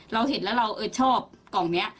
เราเห็นแล้วเราชอบกล่องนี้